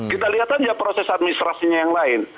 kita lihat aja proses administrasinya yang lain